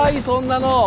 そんなの。